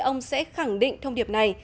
ông sẽ khẳng định thông điệp này